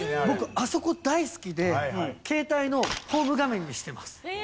僕あそこ大好きで携帯のホーム画面にしてます。